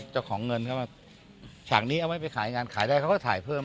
เจ้าของเงินเข้ามาฉากนี้เอาไว้ไปขายงานขายได้เขาก็ถ่ายเพิ่ม